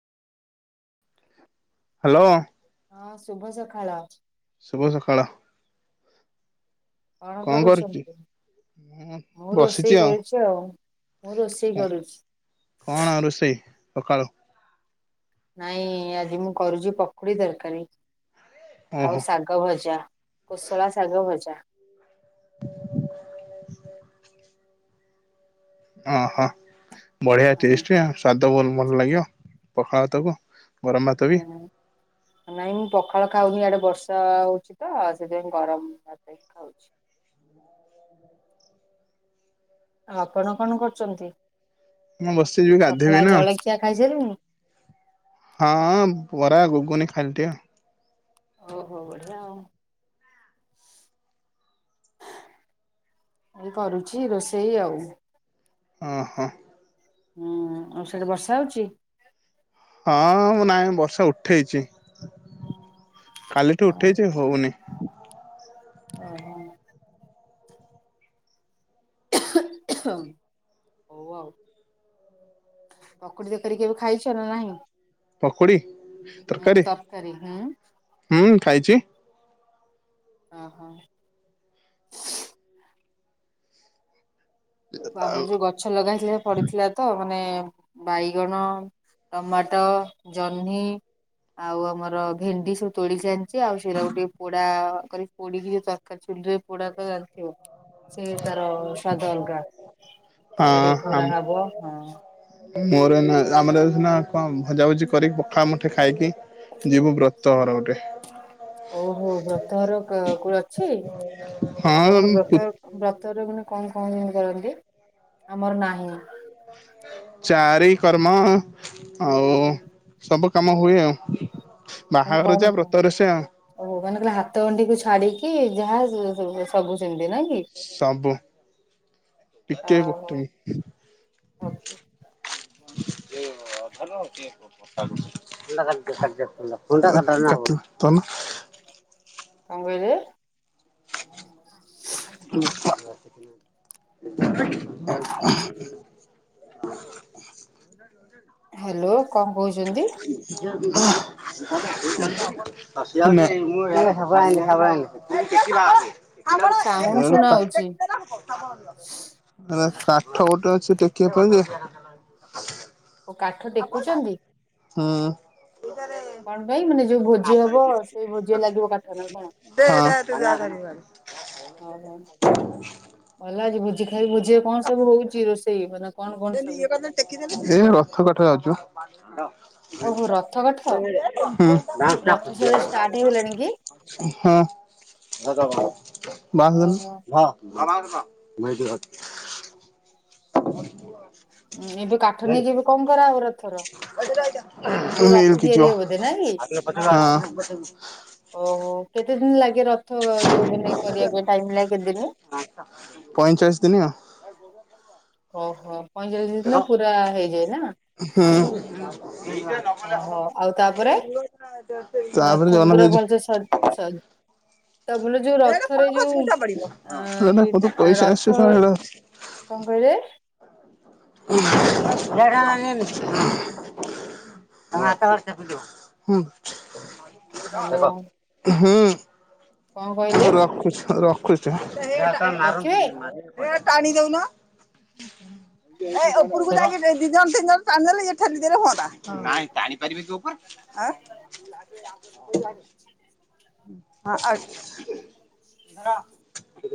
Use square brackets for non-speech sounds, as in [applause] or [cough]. Hello ହଁ ଶୁଭ ସକାଳ। ଶୁଭ ସକାଳ। କଣ କରୁଛନ୍ତି? ହଁ ମୁଁ ବସିଛି ରୋଷେଇ କରୁଛି ଆଉ ମୁଁ ରୋଷେଇ କରୁଛି। କଣ ରୋଷେଇ ସକାଳୁ? ନାଇଁ ଆଜି ମୁଁ କରୁଛି ପକୁଡ଼ି ତରକାରୀ। ଆଉ ଓହୋ ଶାଗ ଭଜା, କୋଶଳା ଶାଗ ଭଜା। [inaudible] ଓହୋ ବଢିଆ ହଁ ଟେଷ୍ଟ ସ୍ୱାଦ [unintelligible] ଲାଗିବ ପଖାଳ ଭାତକୁ ଗରମ ଭାତ ବି ହଁ ନାଇଁ ମୁଁ ପଖାଳ ଖାଉନି ଆଡେ ବର୍ଷା ହଉଛି ତ ସେଥିପାଇଁ ଗରମ ଭାତ ଖାଉଛି ଆଉ ଆପଣ କଣ କରୁଛନ୍ତି? ମୁଁ ବସିଛି ଯିବି ଗାଧେଇବି ସଖାଳ ନା ଜଳଖିଆ ଖାଇସାରିଲଣି? ହଁ ବରା, ଗୁଗୁନି ଖାଇଲିଟିଆ ଓହୋ ବଢିଆ ଆଉ। ଏଇ କରୁଛି ରୋଷେଇ ଆଉ। ଅହଁ। ହୁଁ, ଆଉ ସେଠି ବର୍ଷା ହଉଚି ହଁ ମୁଁ ନାଇଁ ବର୍ଷା ଉଠେଇଛି। କାଲିଠୁ ଉଠେଇଛ ହଉନି। ଓ ହୋ। [unintelligible] ହୋଉ ଆଉ। ପକୁଡି ତ କରି କେବେ ଖାଇଛ ନା ନାହିଁ। ପକୋଡ଼ି ହୁଁ ତରକାରୀ ହୁଁ ହୁଁ ଖାାଇଛି। ଓ ହୋ ଆମର ଯୋଉ ଗଛ ଲଗାଇଥିଲେ ପଡିଥିଲା ତ ମାନେ ବାଇଗଣ, ଟମାଟୋ, ଜହ୍ନି। ଆଉ ଆମର ଭେଣ୍ଡି ସବୁ ତୋଳିକି ଆଣିଛିେ ଆଉ ସେଇଟା ଗ ଟିକେ ପୋଡା କରି ପୋଡିକି ଯୋଉ ତରକାରୀ ଚୁଲିରେ କୁଡାକ ଜାଣିଥିବ ସେ ତାର ସାଧ ଅଲଙ୍କା। ସେଟା ହଁ ଟିକେ ଆମ ପୁରା ହବ ହଁ। ମୋର ଆମର ସିନା କଣ ଭଜାଭୁଜି କରିକି ପଖାଳ ମୁଠେ ଖାଇକି ଯିବୁ ବ୍ରତ ଘର ଗୋଟେ। ଓହୋ ବ୍ରତ ଘର କୋଣ ଅଛି। ହଁ ଆପଣଙ୍କର ବ୍ରତ ବ୍ରତରେ ଗେ କଣ କଣ ଯେମିତି କରନ୍ତି ଆମର ନାହିଁ। ଚାରି କର୍ମ ଆଉ ସବୁ କାମ ହୁଏ ଆଉ ମାନେ ବାହାଘର କଣ ଯା କଣ ବ୍ରତରେ ସେଇଆ ଆଉ। ଓହୋ ମାନେ କହିଲେ ହାତ ଗଣ୍ଡିିକୁୁ ଛାଡିକି ଯାହା ସବୁ। ସେମିତି ନା କି? ସବୁ ଟିକେ ଓହୋ କରତ ଓକେ [unintelligible] [inaudible] [inaudible] କଣ କହିଲେ? ଆ [inaudible] [inaudible] ହାଲୋ କଣ କହୁଛନ୍ତି? [unintelligible] [unintelligible] [inaudible] ସେ ସାଉଣ୍ଡ ଶୁଣା ହଉଛି। ଟେକିବା ପାଇଁ ଯେ ଓ କାଠ ଟେକୁଛନ୍ତି। ହଁ। କଣ ପାଇଁ ମାନେ ଯୋଉ ଭୋଜି ହବ ସେଇ ଭୋଜିରେ ଦେ ଲାଗିବ କାଠ ନା କଣ? ଦେ ତୁ ଯା ଘରେ ଓ ହୋ ଭଲ ଅଛି ଭୋଜି ଖାଇ ଭୋଜି କଣ ସବୁ ହଉଛି ରୋଷେଇ ମାନେ କଣ କଣ ଏ ସବୁ? ରଥ କଟା ଯାଉଛି ପା। ଓହୋ ରଥ କାଠ ରଥ ସେଗୁଡା ଷ୍ଟାର୍ଟ ହେଇଗଲାଣି କି? [inaudible] ହଁ ମା ଓହୋ ହଁ। [inaudible] ଏବେ କାଠ ନେଇକି କଣ କରା ହବ ରଥର? ଏବେ ରଥ ତିଆରି ହବ [inaudible] ବୋଧେ ନା କି? ହଁ। ଓହୋ କେତେ ଦିନ ଲାଗିବ? ରଥ ଯୋଉ ମାନେ କରିବା ପାଇଁ ଟାଇ ଲାଗ କେତେ ଦିନ? ପଇଁଚାଳିଶ ଦିନି ଆଉ। ଓହୋ ପଇଁଚାଳିଶ ଦିନିରେ ପୁରା ହେଇଯାଏ ନା? ହୁଁ ଓହୋ ଆଉ ତାପରେ ତାପରେ ରଥ ଜଗନ୍ନାଥ ପୁରା ହେଇଛି। ତାପଲେ ଯୋଉ ରଥରେ ଯୋଉ ଅ ଇଏ କତୁ ପଇସା ରଥ ଆସିବ ଶଳା କଣ କହିଲେ? [inaudible] ତୁମେ ହାତ ଧରିଥା ପିଣ୍ଟୁ ଧରୁଛି। ହ୍ୟାଲୋ ଟେକ ହୁଁ। କଣ ମୁଁ କହିଲେ ରଖୁଛି ରଖୁଛି ଟିକେ ହୁଁ। ରଖିବେ? ପାଣି ଦଉନ। ନାଇଁ ଉପରକୁ ଜାଇଟି ଦିଇ ଜଣ ତିଦି ଜଣ ତିନ ଜଣ ଟାଣିଦେଲେ ଇଏ ଠେଲିଦେଲେ ହୁଅନ୍ତା। ପାରିବେ କି ଉପରେ? ହଁ ଆଚ୍ଛା।